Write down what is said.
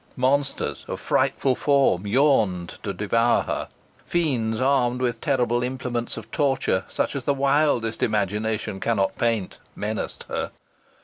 Monsters of frightful form yawned to devour her. Fiends, armed with terrible implements of torture, such as the wildest imagination cannot paint, menaced her.